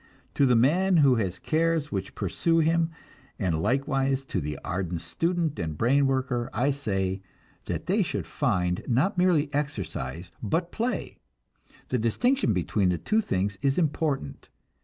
To the man who has cares which pursue him, and likewise to the ardent student and brain worker, I say that they should find, not merely exercise, but play. The distinction between the two things is important.